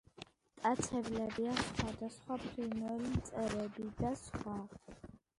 მტაცებლებია სხვადასხვა ფრინველი, მწერები და სხვა.